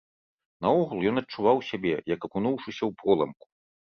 Наогул, ён адчуваў сябе, як акунуўшыся ў проламку.